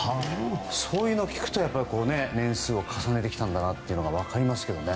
そういうのを聞くと年数を重ねてきたんだなっていうのが分かりますけどね。